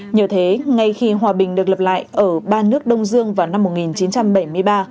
nhờ thế ngay khi hòa bình được lập lại ở ba nước đông dương vào năm một nghìn chín trăm bảy mươi ba